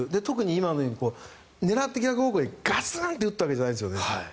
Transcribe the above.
今みたいなのは狙って逆方向にガツーン！と打ったわけじゃないですよね。